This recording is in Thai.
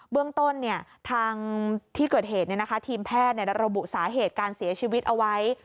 เรื่องต้นทางที่เกิดเหตุทีมแพทย์ระบุสาเหตุการเสียชีวิตเอาไว้